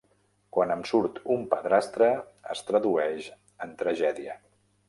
Quan em surt un padrastre, es tradueix en tragèdia.